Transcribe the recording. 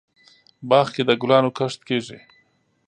باغ کې دګلانو کښت کیږي